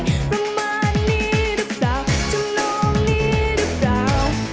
ประมาณนี้รึเปล่าชมน้องนี้รึเปล่า